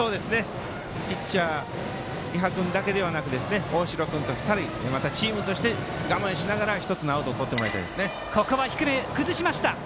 ピッチャー伊波君だけではなく大城君と２人、チームとして我慢しながら１つのアウトをとってもらいたいです。